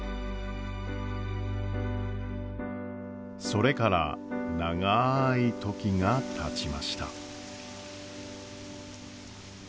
それから長い時がたちました。